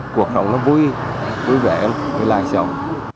cuộc đồng nó vui vẻ vui lành sầu